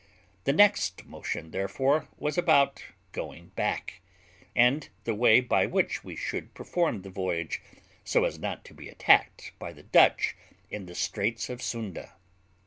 The next motion, therefore, was about going back, and the way by which we should perform the voyage, so as not to be attacked by the Dutch in the Straits of Sunda.